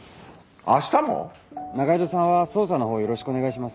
仲井戸さんは捜査のほうよろしくお願いします。